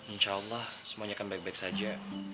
insya allah semuanya akan baik baik saja